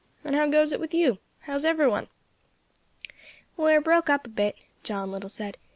And how goes it with you? How's every one?" "We are broke up a bit," John Little said.